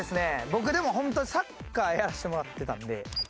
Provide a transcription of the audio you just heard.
僕でもホントサッカーやらせてもらってたんで。そうよね。